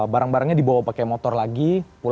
barang barangnya dibawa pakai motor lagi